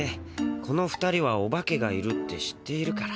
この２人はオバケがいるって知っているから。